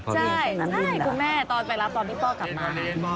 ใช่คุณแม่ตอนไปรับตอนที่พ่อกลับมา